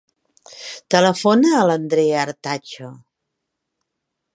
Telefona a l'Andrea Artacho.